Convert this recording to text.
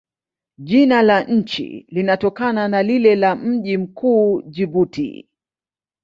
Jina la nchi linatokana na lile la mji mkuu, Jibuti.